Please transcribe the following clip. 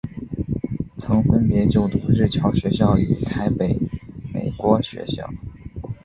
曾分别就读日侨学校与台北美国学校。